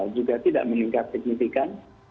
juga tidak meningkat signifikan